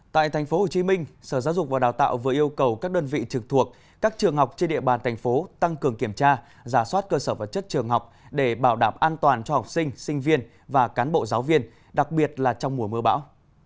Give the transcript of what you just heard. tại tp hcm sở giáo dục và đào tạo vừa yêu cầu các đơn vị trực thuộc các trường học trên địa bàn thành phố tăng cường kiểm tra giả soát cơ sở vật chất trường học để bảo đảm an toàn cho học sinh sinh viên và cán bộ giáo viên đặc biệt là trong mùa mưa bão